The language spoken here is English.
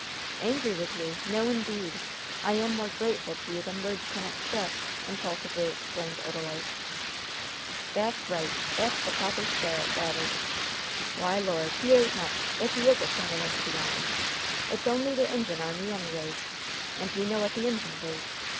"Angry with you? No, indeed! I am more grateful to you than words can express!" impulsively exclaimed Odalite. "That's right! That's the proper sperrit, that is! Why, Lord, he ain't much, if he is a colonel into the army! It's only the Injun Army, anyways! And we know what the Injuns is!